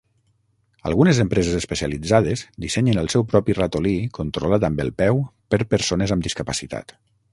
Algunes empreses especialitzades dissenyen el seu propi ratolí controlat amb el peu per persones amb discapacitat.